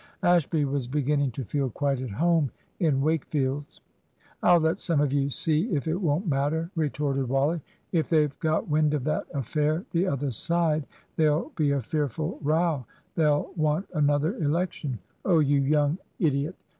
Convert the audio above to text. Ashby was beginning to feel quite at home in Wakefield's. "I'll let some of you see if it won't matter," retorted Wally. "If they've got wind of that affair the other side, there'll be a fearful row. They'll want another election. Oh, you young idiot!